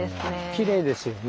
きれいですよね。